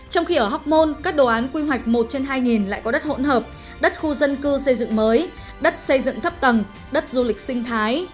trong khi ở học môn các đồ án quy hoạch một trên hai lại có đất hỗn hợp đất khu dân cư xây dựng mới đất xây dựng thấp tầng đất du lịch sinh thái